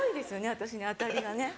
私に当たりがね。